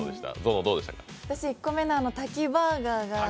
１個目の滝バーガーが。